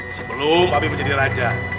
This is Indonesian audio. sebelum abi menjadi raja